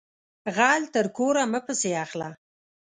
غل تر کوره مه پسی اخله